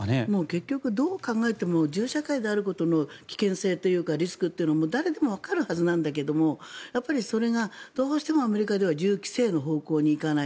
結局、どう考えても銃社会であることの危険性というかリスクというのは誰でもわかるはずなんだけどやっぱりそれがどうしてもアメリカでは銃規制の方向に行かない。